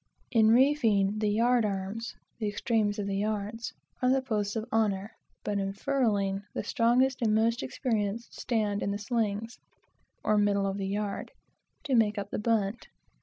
In reefing, the yard arms (the extremes of the yards) are the posts of honor; but in furling, the strongest and most experienced stand in the slings, (or, middle of the yard,) to make up the bunt.